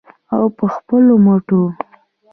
او په خپلو مټو.